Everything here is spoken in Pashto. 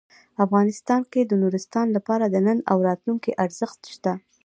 افغانستان کې د نورستان لپاره د نن او راتلونکي ارزښت شته.